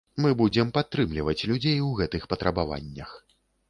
Мы будзем падтрымліваць людзей у гэтых патрабаваннях.